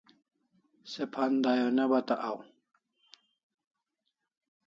Se phan dai o ne bata aw